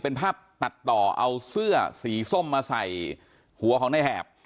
เป็นภาพตัดต่อเอาเสื้อสีส้มมาใส่หัวของในแหบ